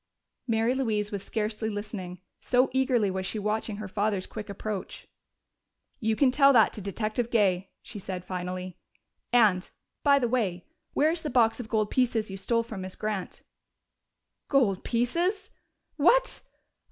Mary Louise was scarcely listening, so eagerly was she watching her father's quick approach. "You can tell that to Detective Gay," she said finally. "And, by the way, where is the box of gold pieces you stole from Miss Grant?" "Gold pieces? What?